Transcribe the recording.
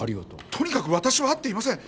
とにかくわたしは会っていません。